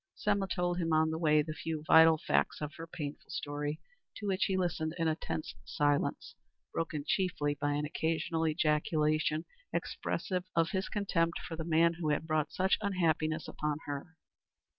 Selma told him on the way the few vital facts in her painful story, to which he listened in a tense silence, broken chiefly by an occasional ejaculation expressive of his contempt for the man who had brought such unhappiness upon her.